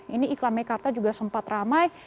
ini iklan mekarta juga sempat ramai